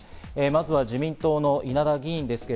まずは自民党の稲田議員です。